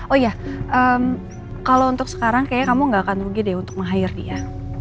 oh iya kalau untuk sekarang kayaknya kamu nggak akan rugi deh untuk menghayir dia